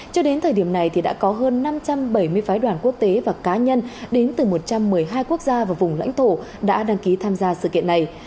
cho đến thời điểm này đã có hơn năm trăm bảy mươi phái đoàn quốc tế và cá nhân đến từ một trăm một mươi hai quốc gia và vùng lãnh thổ đã đăng ký tham gia sự kiện này